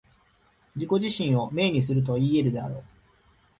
自己自身を明にするといい得るであろう。